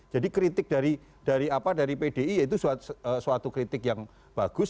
jadi kritik dari pdi itu suatu kritik yang bagus